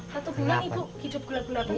satu bulan ibu hidup gelap gelap bu